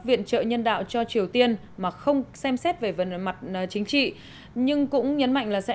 viện trợ nhân đạo cho triều tiên mà không xem xét về mặt chính trị nhưng cũng nhấn mạnh là sẽ